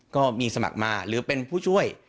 ก็มีสมัครมาหรือเป็นผู้ช่วย